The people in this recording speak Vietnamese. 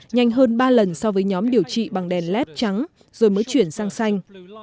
nhanh hơn ba lần so với nhóm điều trị bằng đèn led trắng rồi mới chuyển sang xanh